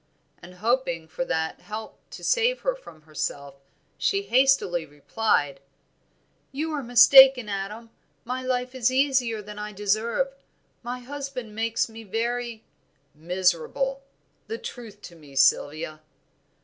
and hoping for that help to save her from herself, she hastily replied "You are mistaken, Adam, my life is easier than I deserve, my husband makes me very " "Miserable, the truth to me, Sylvia."